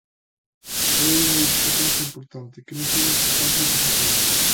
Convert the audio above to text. Pero houbo unha discrepancia importante que non fomos capaces de resolver.